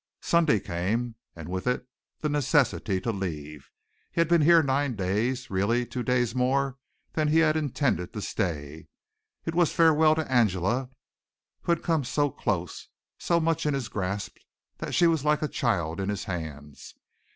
Sunday came and with it the necessity to leave. He had been here nine days, really two days more than he had intended to stay. It was farewell to Angela, who had come so close, so much in his grasp that she was like a child in his hands.